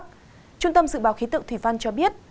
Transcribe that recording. trung tâm dự báo khí tượng thủy văn cho biết